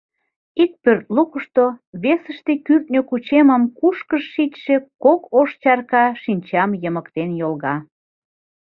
Ик пӧрт лукышто, весыште кӱртньӧ кучемым кушкыж шичше кок ош чарка шинчам йымыктен йолга.